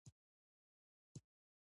په جګړه کې ګټونکي شي.